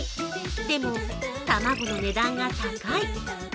でも、卵の値段が高い。